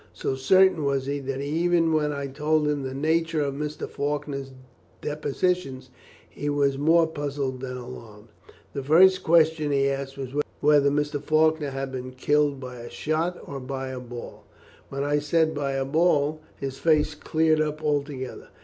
So certain was he, that even when I told him the nature of Mr. Faulkner's depositions, he was more puzzled than alarmed. The first question he asked was whether Mr. Faulkner had been killed by shot or by a ball. When I said by a ball his face cleared up altogether.